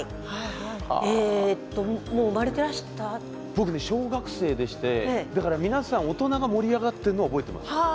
僕ね小学生でしてだから皆さん大人が盛り上がってんのは覚えてます。